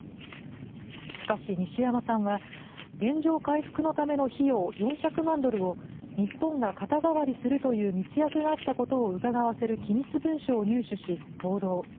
しかし、西山さんは原状回復のための費用４００万ドルを日本が肩代わりするという密約があったことをうかがわせる機密文書を入手し、報道。